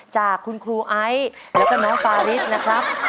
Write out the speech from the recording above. จากคุณครูไอซ์แล้วก็น้องฟาริสนะครับ